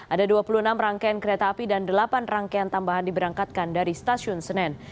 ada dua puluh enam rangkaian kereta api dan delapan rangkaian tambahan diberangkatkan dari stasiun senen